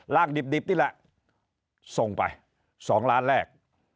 ดิบนี่แหละส่งไป๒ล้านแรก